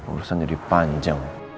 urusan jadi panjang